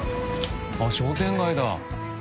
あっ商店街だ。